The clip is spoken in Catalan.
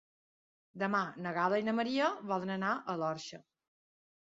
Demà na Gal·la i na Maria volen anar a l'Orxa.